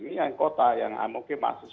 ini yang kota yang amoknya masuk